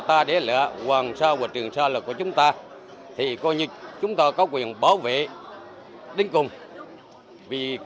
ta đấy là hoàng sa của trường sa là của chúng ta thì coi như chúng ta có quyền bảo vệ đến cùng vì